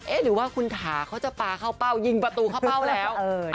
หรือว่าคุณถาเขาจะปลาเข้าเป้ายิงประตูเข้าเป้าแล้ว